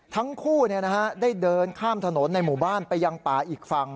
ทั้งคู่ได้เดินข้ามถนนในหมู่บ้านไปยังป่าอีกฝั่ง